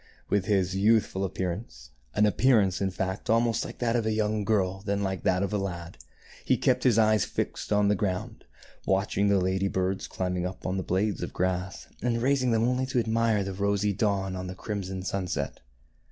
With his youthful appearance, — an appear ance, in fact, almost more like that of a young girl than like that of a lad, — he kept his eyes fixed on the ground, watching the lady birds climbing up the blades of grass, and raising them only to admire the rosy dawn or the crimson sunset.